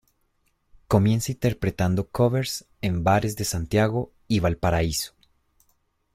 Comienza interpretando covers en bares de Santiago y Valparaíso.